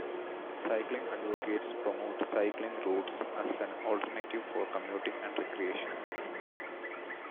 Cycling advocates promote cycling routes as an alternative for commuting and recreation.